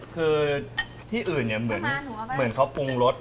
คือที่อื่นเนี่ยเหมือนเขาปรุงรส